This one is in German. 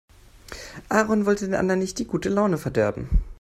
Aaron wollte den anderen nicht die gute Laune verderben.